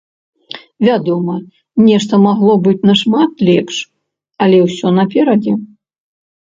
Вядома, нешта магло быць нашмат лепш, але ўсё наперадзе!